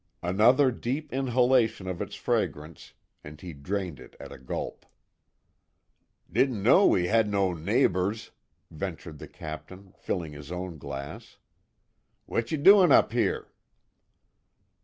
Another deep inhalation of its fragrance and he drained it at a gulp. "Didn't know we had no neighbors," ventured the Captain, filling his own glass. "What ye doin' up here?"